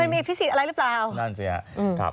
มันมีอิพิสิศอะไรหรือเปล่า